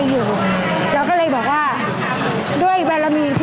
ขอบคุณมากด้วยค่ะพี่ทุกท่านเองนะคะขอบคุณมากด้วยค่ะพี่ทุกท่านเองนะคะ